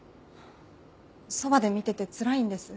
そばで見ててつらいんです。